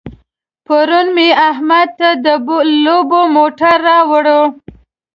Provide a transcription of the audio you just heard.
پرون مې احمد ته د لوبو موټر راوړ.